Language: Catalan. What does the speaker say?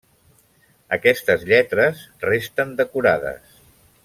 Aquestes lletres resten decorades.